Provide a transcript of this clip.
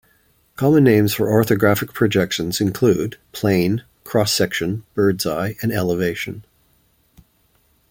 Common names for orthographic projections include plane, cross-section, bird's-eye, and elevation.